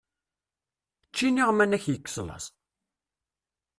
Ečč iniɣman ad k-yekkes laẓ!